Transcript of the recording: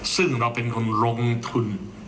ซึ่งเราเป็นคนลงทุน